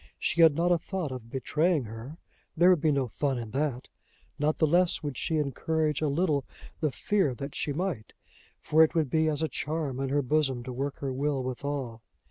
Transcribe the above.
She had not a thought of betraying her: there would be no fun in that! not the less would she encourage a little the fear that she might, for it would be as a charm in her bosom to work her will withal!